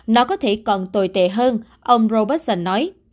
nó có thể còn tồi tệ hơn ông robertson nói